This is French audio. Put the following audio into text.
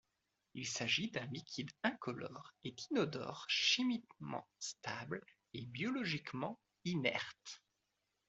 Il s'agit d'un liquide incolore et inodore chimiquement stable et biologiquement inerte.